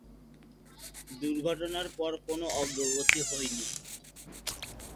দুর্ঘটনার পর কোন অগ্রগতি হয়নি।